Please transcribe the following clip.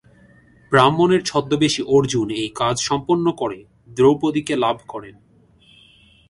ব্রাহ্মণের ছদ্মবেশী অর্জুন এই কাজ সম্পন্ন করে দ্রৌপদীকে লাভ করেন।